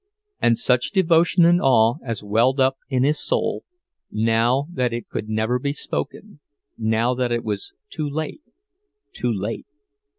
And such devotion and awe as welled up in his soul—now that it could never be spoken, now that it was too late, too late!